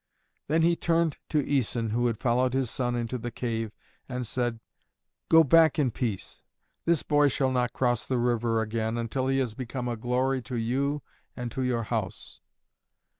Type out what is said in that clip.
Then he turned to Æson, who had followed his son into the cave, and said, "Go back in peace. This boy shall not cross the river again till he has become a glory to you and to your house."